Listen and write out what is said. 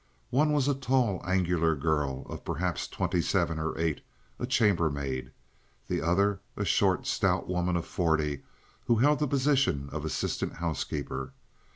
One was a tall, angular girl of perhaps twenty seven or eight, a chambermaid, the other a short, stout woman of forty who held the position of assistant housekeeper.